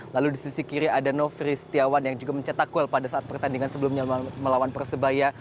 lalu di sisi kiri ada nofri setiawan yang juga mencetak kuel pada saat pertandingan sebelumnya melawan persebaya